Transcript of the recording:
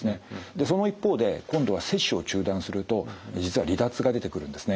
でその一方で今度は摂取を中断すると実は離脱が出てくるんですね。